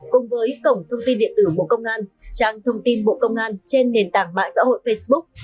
cùng với cổng thông tin điện tử bộ công an trang thông tin bộ công an trên nền tảng mạng xã hội facebook